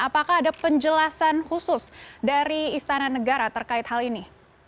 apakah ada penjelasan khusus dari istana negara terkait hal ini